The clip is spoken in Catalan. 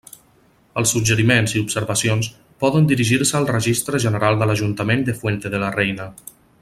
Els suggeriments i observacions poden dirigir-se al Registre General de l'Ajuntament de Fuente de la Reina.